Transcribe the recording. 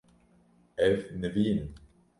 Ev nivîn in.